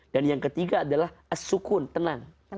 dan yang ketiga adalah as sukun tenang